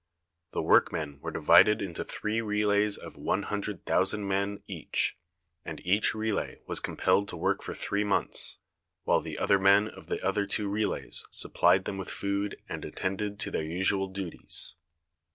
The workmen were divided into three relays of one hundred thousand men each, and each relay was compelled to work for three months, while the men of the other two relays supplied them with food and attended to their usual duties.